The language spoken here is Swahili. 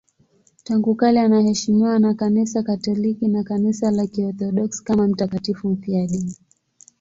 Tangu kale anaheshimiwa na Kanisa Katoliki na Kanisa la Kiorthodoksi kama mtakatifu mfiadini.